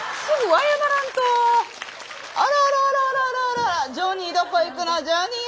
あらあらあらあらあらあらジョニーどこ行くのジョニー。